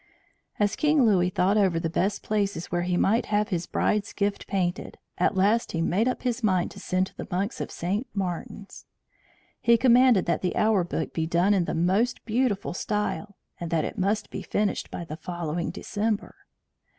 As King Louis thought over the best places where he might have his bride's gift painted, at last he made up his mind to send to the monks of St. Martin's. He commanded that the hour book be done in the most beautiful style, and that it must be finished by the following December.